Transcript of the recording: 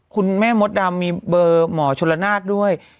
คุณแม่มดดำมีเบอร์หมอชุลนาศด้วย